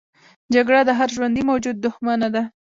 جګړه د هر ژوندي موجود دښمنه ده